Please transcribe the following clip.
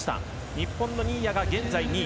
日本の新谷、現在２位。